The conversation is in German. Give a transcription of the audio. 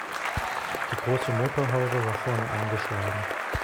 Die große Motorhaube war vorne angeschlagen.